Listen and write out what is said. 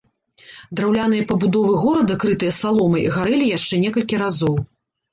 Драўляныя пабудовы горада крытыя саломай гарэлі яшчэ некалькі разоў.